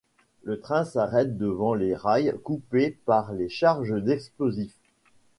Le train s'arrête devant les rails coupés par les charges d'explosifs.